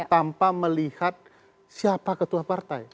tanpa melihat siapa ketua partai